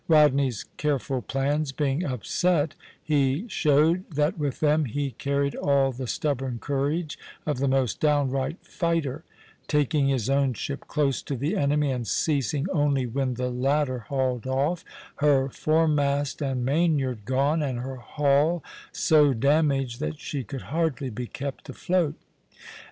Rodney's careful plans being upset, he showed that with them he carried all the stubborn courage of the most downright fighter; taking his own ship close to the enemy and ceasing only when the latter hauled off, her foremast and mainyard gone, and her hull so damaged that she could hardly be kept afloat.